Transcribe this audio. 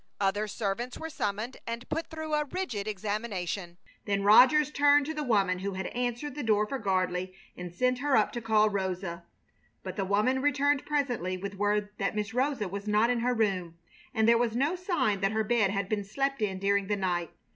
Other servants were summoned and put through a rigid examination. Then Rogers turned to the woman who had answered the door for Gardley and sent her up to call Rosa. But the woman returned presently with word that Miss Rosa was not in her room, and there was no sign that her bed had been slept in during the night.